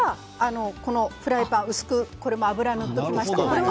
フライパン薄く油を塗っておきました。